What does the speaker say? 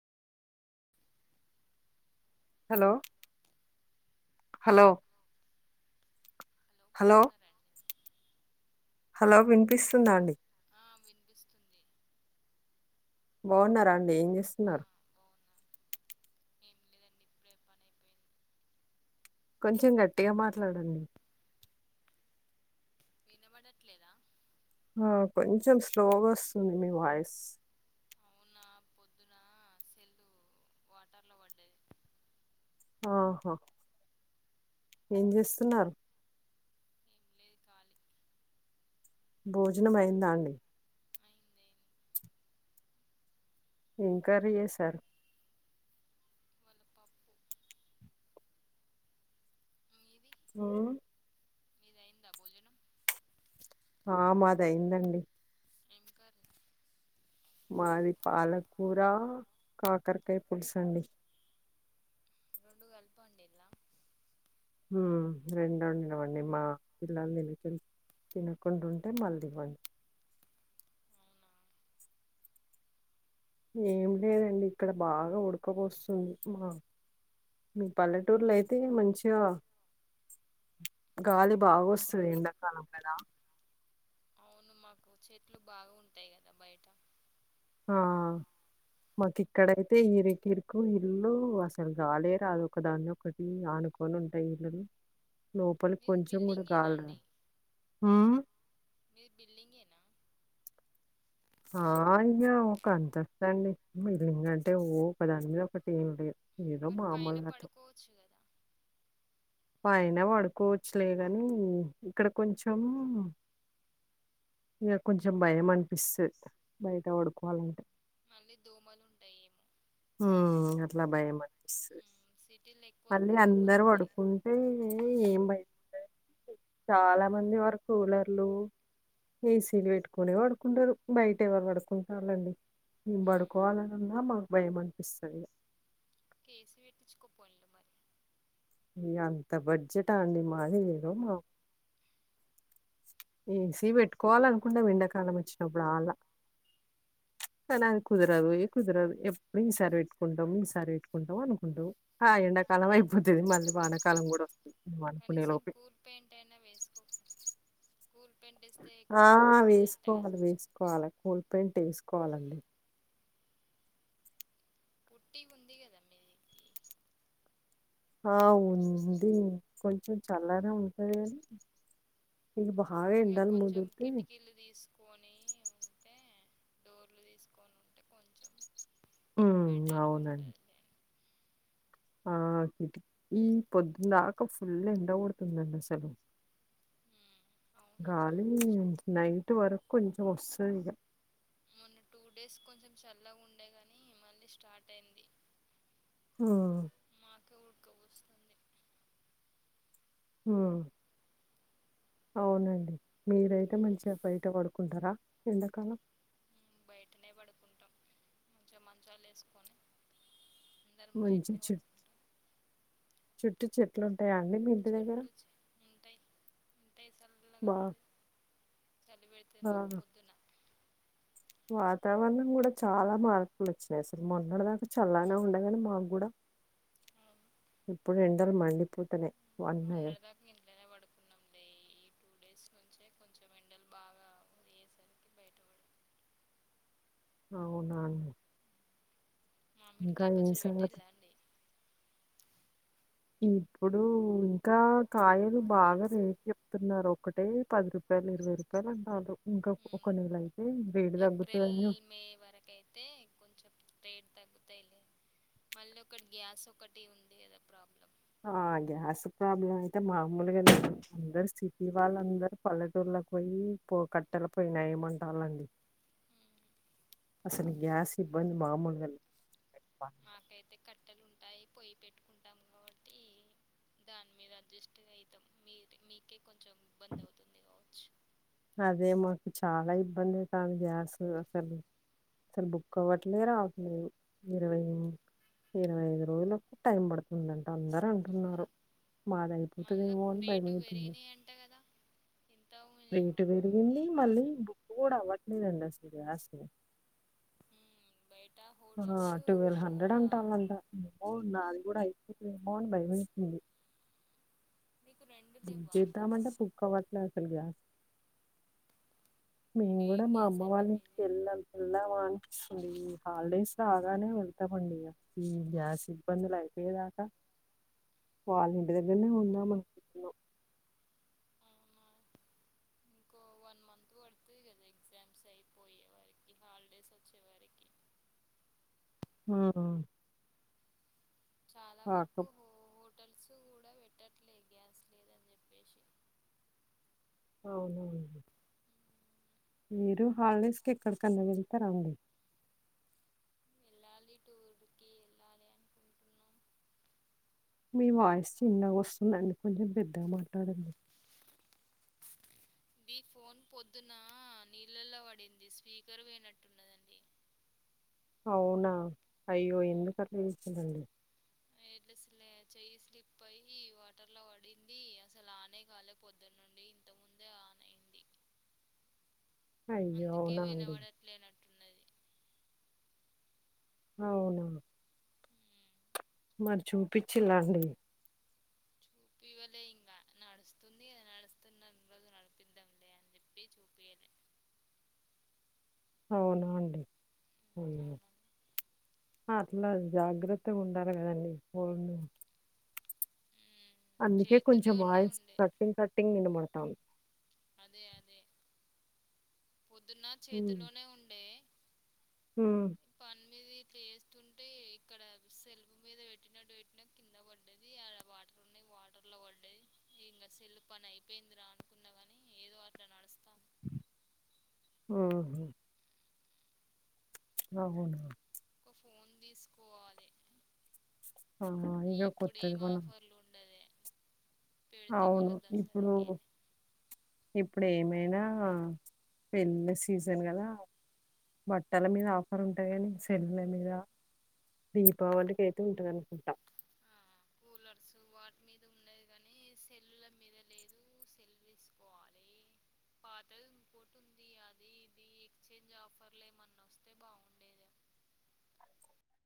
Hello hello hello hello వినిపిస్తుందా అండి ఆ వినిపిస్తుంది బాగున్నారా అండి ఏం ఆ చేస్తున్నారు బాగున్నా ఏం లేదండి ఇప్పుడే పని అయిపోయింది కొంచెం గట్టిగా మాట్లాడండి వినబడట్లేదా ఆ కొంచెం స్లోగా వస్తుంది మీ వాయిస్ అవునా పొద్దున సెల్లు వాటర్ లో పడ్డేది ఆహా ఏం చేస్తున్నారు ఏం లేదు ఖాళీ భోజనం అయిందా అండి అయింది ఎం కర్రీ చేసారు వాళ్ళ పప్పు హ మీద ఎందా భోజనం ఆ మాదయిందండి ఏంక మాది పాలకూర కాకరకాయ పులుసు అండి రెండు కలిపం ఉండడిలా రెండోడి ఇవ్వండి మా పిల్లలు ననుకలి తినకుండా ఉంటే మళ్ళీ ఇవ్వండి అవునా ఏం లేదండి ఇక్కడ బాగా ఉడక వస్తుంది మా మీ పల్లెటూర్లో అయితే మంచిగా గాలి బాగా వస్తుంది ఎండాకాలం కదా అవును మాకు చెట్లు బాగా ఉంటాయి కదా బయట ఆ మాకు ఇక్కడైతే ఇరుకు ఇరుకు ఇల్లు అసలు రాలేరాదు ఒకదాన్ని ఒకటి ఆనుకొని ఉంటాయి ఇల్లులు లోపలికి మీది కొంచెం కూడా బిల్డింగేనా గాలరా అండి మీది బిల్డింగ్ ఏనా ఆ అయ్యా ఒక అంతస్తు అండి మల్లికంటే ఓ పదాని మీద ఒకటి ఏం లేదు ఏదో మరి పైన మామ్మలట పడుకోవచ్చు కదా పైన వాడుకోవచ్చులే కానీ ఇక్కడ కొంచెం ఇక కొంచెం భయం అనిపిస్తుంది బయట వాడుకోవాలంటే మళ్ళీ దోమలు ఉంటాయి ఏమో హ అట్లా భయం అనిపిస్తు ఏమో సిటీలో ఎక్కువ మళ్ళీ దోమలు అందరు ఉంటాయి కదా వడుకుంటే ఏం బయ చాలా మంది వారు కూలర్లు ఏసీలు పెట్టుకుని పడుకుంటారు బయట ఎవరు పడుకుంటారులెండి మేము పడుకోవాలన్నా మాకు భయం అనిపిస్తుంది ఒక ఏసి పెట్టిచ్చుకో పోలో మరి మీ అంత బడ్జెట్ అండి మాది ఏదో మా ఏసి పెట్టుకోవాలనుకుంటాం ఎండాకాలం వచ్చినప్పుడు అలా కానీ అది కుదరదు ఏ కుదరదు ఎప్పుడు ఈసారి పెట్టుకుంటాం ఈసారి పెట్టుకుంటాం అనుకుంటావు ఆ ఎండాకాలం అయిపోతుది మళ్ళీ వానకాలం కూడా వస్ కనీసం కూల్ పెయింట్ అయినా వేసుకోక ఆ కదా వేసుకోవాలి వేసుకోవాలి కూల్ పేయింట్ వేసుకోవాలండి పుట్టి ఉంది కదండి మీదికి ఆ ఉంది కొంచెం చల్లనే ఉంటది కానీ ఇకు బా ఇంకా కొంచెం కిటికీలు తీసుకొని ఉంటే డోర్లు తీసుకొని ఉంటే కొంచెం ఉమ్ బెటర్గా అవునండి ఉంటుంది ఆ కిటికీ ఈ పొద్దుందాకా ఫుల్ ఎండ కొడుతుందండి అసలు అవును గాలి నై ట్ వరకు కొంచం వస్తదిగ మొన్న టూ డేస్ కొంచెం చల్లగా ఉండే గాని మళ్ళీ స్టార్ట్ అయింది ఆ ఉడక పోస్తుంది ఊ అవునండి మీరైతే మంచిగా బయట పడుకుంటారా ఎడాకాలం బయటనే పడుకుంటాం [inaudible] మంచాలేసుకొని మంచి చె చుట్టూ చెట్లున్ చుట్లూ [inaudible] ఉంటాయి ఉంటాయి చల్లాగా బా చలి పెడుతుంది ఆ, మాకు పొద్దున వాతావరణం కూడా చాలా మార్పులు వచ్చినాయి అసలు మొన్నటి దాకా చల్లానే ఉండే గానీ మాకు కూడా ఎప్పుడు ఎండాలు మండిపోతేనే మొన్నటి దాకా ఇంట్లోనే పడుకున్నాం లే టూ డేస్ నుంచే కొంచెం ఎండలు బాగా అయ్యేసరికి బయట పడుకుంటాం అవునాని మామిడికాయ పుచ్చడి పెట్టిల్లా అండి ఇప్పుడు ఇంకా కాయలు బాగా రేట్ చెప్తున్నారు ఒక్కటే పది రూపాయలు ఇరవై రూపాయలు అంటాండ్రు ఉమ్ ఏప్రల్ తగ్గుతుందని చూస్తా మే వరకైతే కొంచెం రేట్ తగ్గు తయ్ లే మళ్ళొకటి గ్యాస్ ఒకటి ఉంది కదా ప్రాబ్లం ఆ గ్యాస్ ప్రాబ్లం అయితే మామూలుగా లేదు అందరూ సిటీ వాళ్ళందరూ పల్లెటూళ్ళకి పోయి పో కట్టల పోయ్యి నయం అంటాలండి అసలు గ్యాస్ ఇబ్బంది మామూలుగా లే మాకైతే కట్టెలున్ అయి పొయి పెట్టుకుంటాం కాబట్టి దాని మీద అడ్జస్ట్ అవుతాం మీరు మీకే కొంచెం ఇబ్బంది అవుతుంది కావచ్చు అదే మాకు చాలా ఇబ్బందికాదు గ్యాస్ అసలు అసలు బుక్ అవ్వట్లేదు రావట్లేదు ఇరవై ఇరవై ఐదు రోజులలకు టైం పడుతుందింట అందరు అంటున్నారు మాదయి మళ్ళా రేటు పెరిగినయి అంట కదా ఇంత రేటు [unintelligible] పెరిగింది మళ్ళీ బుక్ కూడా అవ్వట్లేదండి అసలుయాసలు మ్మ్. బయట ఆ హోటల్స్ ట్వెల్వ్ కూడా హండ్రెడ్ అంటాందంటా అవున కూడా ఎపుడుపోను భయమైతుంది మీకు రెండు లేవా జీతమంటే ముద్దులు పుక్క పట్ల అసలు గ్యాస్ మేము ఏం కూడా మా గ్యాస్ అమ్మ అండి వాళ్ళ ఇంటికి మీది వెళ్ళాం వెళ్దావా అని అ ఈ హాలిడేస్ రాగానే వెళ్తామండి ఈ గ్యాస్ ఇబ్బందులు అయిపోయేదాకా వాళ్ళ ఇంటి దగ్గరనే ఉందాం అనుక్ [unintelligible] అవునా ఇంకో వన్ మంత్ పడుతుంది కదా ఎగ్జామ్స్ అయిపోయే వారికి హాలిడేస్ వచ్చే వారికి ఆ చాలా ఆ వరకు కం హో హోటల్స్ కూడా పెట్టట్లేదు గ్యాస్ లేదని చెప్పేసి అవును అండి మీరు హాలిడేస్ కి ఎక్కడికన్నా వెళ్తారండి ఎలాలి టూర్కి ఎళ్లాల అనుకుంటున్నాం మీ వాయిస్ చిన్నగా వస్తుందండి కొంచెం పెద్దగా మాట్లాడండి ఈ ఫోన్ పొద్దున నీళ్ళల్లో పడింది స్పీకర్ పోయినట్టున్నదండి అవునా అయ్యో ఎందుక అలా జేసుకుంటారండీ ఎట్లా అసలే చెయ్యి స్లిప్ అయి వాటర్ లో పడింది అసలు ఆనే కాలే పొద్దున్న నుండి ఇంతకా ముందే ఆన్ అయింది అయ్యో అందుకే అవునా వినబడట్లేనట్టున్నది అవునా మరి చూపించిలాండి చూపివ్వలే ఇంకా నడుస్తుంది నడుస్తున్న రోజు నడిపిద్దాంలే అని చెప్పి చూపిలే అవునా అండి అవును అవునండి అట్లా జాగ్రత్తగా ఉండాలి కదండీ ఫోను అందుకే కొంచెం చేతిలోనే వాయిల్స్ ఉండే కట్టింగ్ కట్టింగ్ వినపడ్ అవును అదే అదే పొద్దున్న చేతిలోనే ఉండే హ్మ్మ్ ఇది చేస్తుంటే ఇక్కడ సెల్ఫ మీద పెట్టినట్టు పెట్టిన కింద పడ్డది అడ వాటర్ ఉన్నాయి వాటర్ లో పడ్డది ఇంకా సెల్ఫ్ పని అయిపోయింది రా అనుకున్నా గాని అని ఏదో అట్లా నడుస్తాం ఆ అవును ఒక ఫోన్ తీసుకోవాలి అవున ఈరోజు ఇప్పుడేం కొత్తదికొను ఆఫర్లు ఉండదే పెడితే అవును మళ్ళీ ఇప్పుడు దసరాకేనే ఇప్పుడేమి నైనా పెళ్ళి సీజన్ కదా బట్టల మీద ఆఫర్ ఉంటాయి కానీ సెల్లల మీద దీపావళికి అయితే ఉంటుంది అనుకుంటా సో వాటిమీద ఉండది కానీ సెల్ల మీద లేదు సెల్ తీసుకోవాలి పాత ఇంకోటి ఉంది అది ఇది ఎక్స్చేంజ్ ఆఫర్లు ఏమన్నా వస్తే బాగుండేది